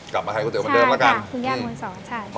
กลับมาขายก๋วยเตี๋ยวเหมือนเดิมแล้วกันคุณย่างมนต์สองใช่